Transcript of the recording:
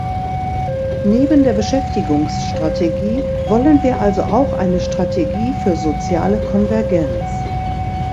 Neben der Beschäftigungsstrategie wollen wir also auch eine Strategie für soziale Konvergenz.